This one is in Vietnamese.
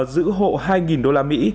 giữ hộ hai đô la mỹ